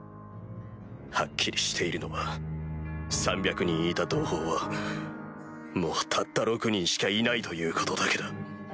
ハッキリしているのは３００人いた同胞はもうたった６人しかいないということだけだ。